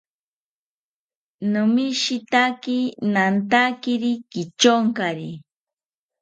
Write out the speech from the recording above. Nomishitaki nantakiri kityonkari